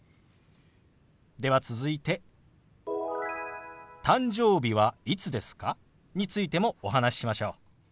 では続いて「誕生日はいつですか？」についてもお話ししましょう。